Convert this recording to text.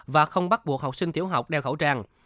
và không bắt buộc học sinh tiểu học đeo khẩu trang